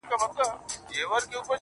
زه هم دا ستا له لاسه.